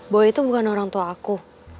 bahwa itu bukan orang tua aku